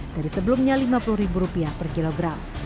dari sebelumnya rp lima puluh per kilogram